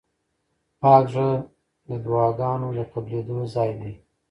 پاک زړه د دعاګانو د قبلېدو ځای دی.